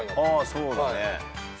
あそうだね。